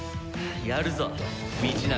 やるぞ道長。